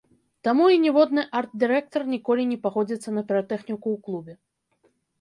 Таму і ніводны арт-дырэктар ніколі не пагодзіцца на піратэхніку ў клубе.